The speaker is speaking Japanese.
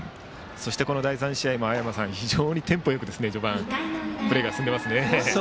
そしてこの第３試合も非常にテンポよく序盤プレーが進んでいますね。